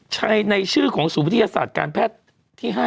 ในชื่อของศูนย์วิทยาศาสตร์การแพทย์ที่๕